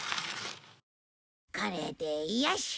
これでよし。